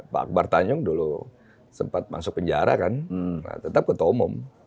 pak akbar tanjung dulu sempat masuk penjara kan tetap ketua umum